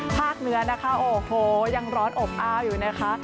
เหนือนะคะโอ้โหยังร้อนอบอ้าวอยู่นะคะ